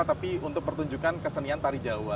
tapi untuk pertunjukan kesenian tari jawa